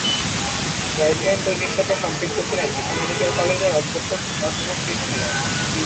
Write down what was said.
Guide line তৈরির সাথে সম্পৃক্ত ছিলেন ঢাকা মেডিকেল কলেজের অধ্যক্ষ অধ্যাপক টিটু মিয়া।